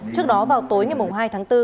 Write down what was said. trước đó vào tối ngày hai tháng bốn